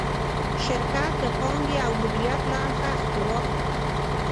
شرکت د پانګې او مدیریت له اړخه خپلواک دی.